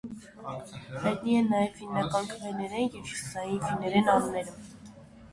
Հայտնի է նաև «ֆիննական քվեներեն» և «հյուսիսային ֆիններեն» անուններով։